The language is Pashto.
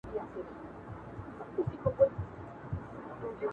خو لا هم تماس ورسره لرم